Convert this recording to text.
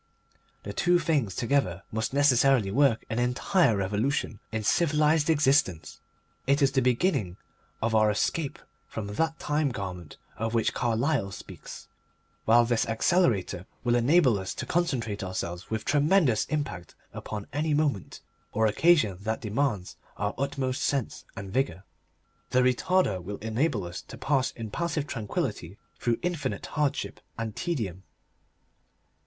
The two things together must necessarily work an entire revolution in civilised existence. It is the beginning of our escape from that Time Garment of which Carlyle speaks. While this Accelerator will enable us to concentrate ourselves with tremendous impact upon any moment or occasion that demands our utmost sense and vigour, the Retarder will enable us to pass in passive tranquillity through infinite hardship and tedium.